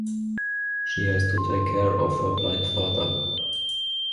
She has to take care of her blind father.